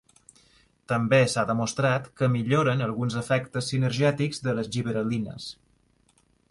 També s'ha demostrat que milloren alguns efectes sinergètics de les gibberel·lines.